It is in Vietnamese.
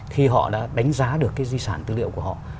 khi họ đã đánh giá được cái di sản tư liệu của họ